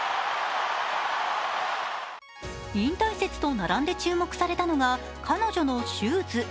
引退説と並んで注目されたのが彼女のシューズ。